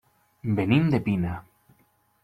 Venim de Pina.